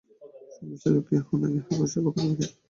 সঙ্গে স্ত্রীলোক কেহ নাই, ইঁহাকে সেবা করিবে কে?